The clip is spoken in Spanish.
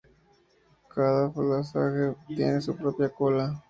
Cada fuselaje tiene su propia cola.